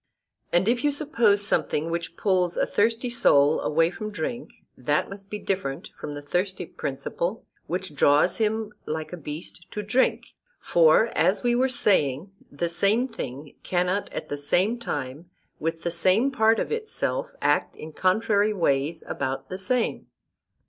And if you suppose something which pulls a thirsty soul away from drink, that must be different from the thirsty principle which draws him like a beast to drink; for, as we were saying, the same thing cannot at the same time with the same part of itself act in contrary ways about the same.